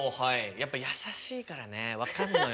やっぱやさしいからね分かんのよ。